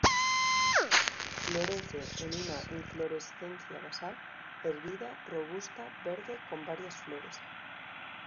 Florece en una inflorescencia basal, erguida, robusta, verde, con varias flores.